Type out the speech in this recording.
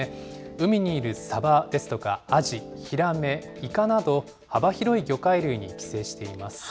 海にいるサバですとかアジ、ヒラメ、イカなど、幅広い魚介類に寄生しています。